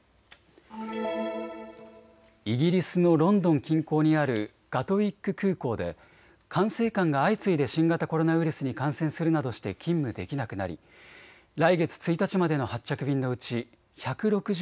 イギリスのロンドン近郊にあるガトウィック空港で管制官が相次いで新型コロナウイルスに感染するなどして勤務できなくなり来月１日までの発着便のうち１６０